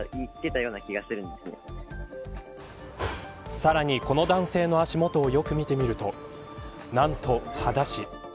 さらに、この男性の足元をよく見てみると何とはだし。